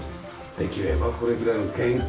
できればこれぐらいの玄関